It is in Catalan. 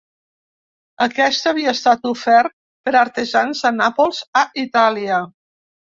Aquest havia estat ofert per artesans de Nàpols a Itàlia.